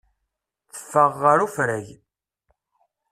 Teffeɣ ɣer ufrag.